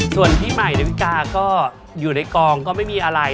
ส่วนพี่ใหม่ดาวิกาก็อยู่ในกองก็ไม่มีอะไร